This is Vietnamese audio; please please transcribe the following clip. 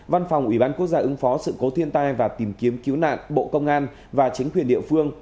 văn phòng ủy ban quốc gia ứng phó sự cố thiên tai và tìm kiếm cứu nạn bộ công an và chính quyền địa phương